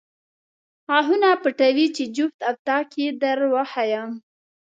غاښونه پټوې چې جفت او طاق یې در وښایم.